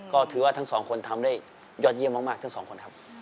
ก็ถือว่าทั้งสองคนทำได้ยอดเยี่ยมมากทั้งสองคนครับ